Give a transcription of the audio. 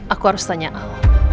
aku harus tanya al